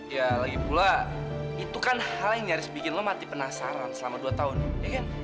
ya lagi pula itu kan hal yang nyaris bikin lo mati penasaran selama dua tahun ya kan